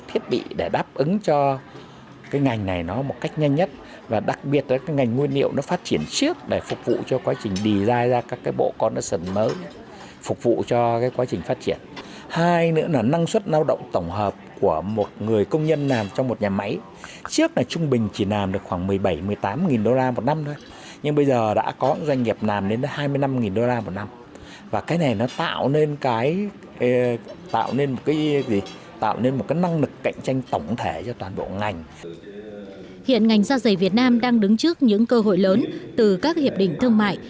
hiện ngành da giày việt nam đang đứng trước những cơ hội lớn từ các hiệp định thương mại